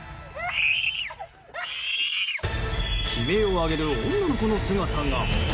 悲鳴を上げる女の子の姿が。